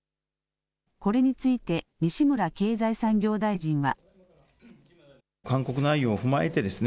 これについて西村経済産業大臣は。